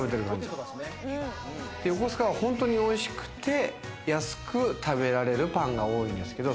横須賀は本当に美味しくて、安く食べられるパンが多いんですけれども。